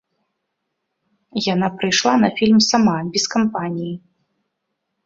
Яна прыйшла на фільм сама, без кампаніі.